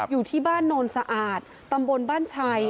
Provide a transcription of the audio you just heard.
อยู่ที่บ้านโนนสะอาดตำบลบ้านชัย